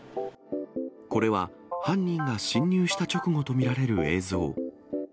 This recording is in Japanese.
これは、犯人が侵入した直後と見られる映像。